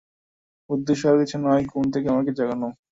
উদ্দেশ্য আর কিছু নয়, ঘুম থেকে আমাকে জাগানো।